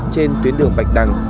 trên tuyến đường bạch đằng